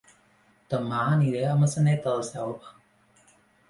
Dema aniré a Maçanet de la Selva